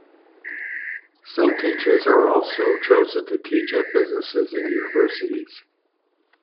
Some teachers are also chosen to teach at businesses and universities.